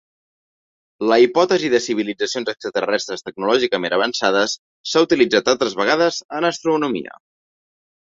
La hipòtesi de civilitzacions extraterrestres tecnològicament avançades s’ha utilitzat altres vegades en astronomia.